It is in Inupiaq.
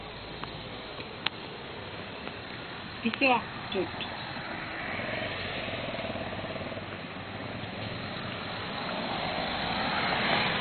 Pisuaqtut.